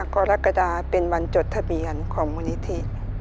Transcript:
กรกฎาเป็นวันจดทะเบียนของมูลนิธิ